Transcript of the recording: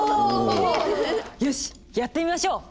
よしやってみましょう。